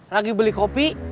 lagi beli kopi